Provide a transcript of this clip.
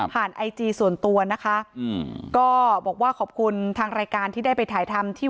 ไอจีส่วนตัวนะคะอืมก็บอกว่าขอบคุณทางรายการที่ได้ไปถ่ายทำที่